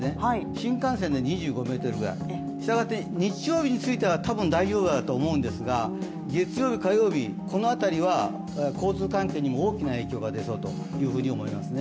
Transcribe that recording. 新幹線で２５ｍぐらい、したがって、日曜については多分大丈夫だと思うんですが、月曜日、火曜日、この辺りは交通関係に大きな影響が出そうと思いますね。